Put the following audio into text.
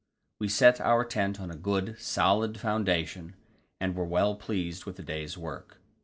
We set our tent on a good, solid foundation, and were well pleased with the day's work.